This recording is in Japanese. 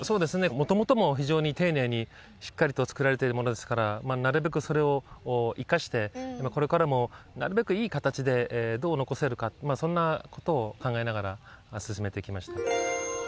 元々も非常に丁寧にしっかりと造られているものですからなるべくそれを生かしてこれからもなるべくいい形でどう残せるかそんなことを考えながら進めてきました